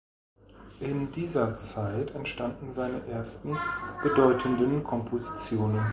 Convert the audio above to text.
In dieser Zeit entstanden seine ersten bedeutenden Kompositionen.